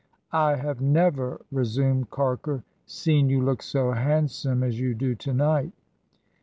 ... 'I have never,' re sumed Carker, 'seen you look so handsome as you do to night.'